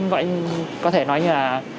vậy có thể nói như là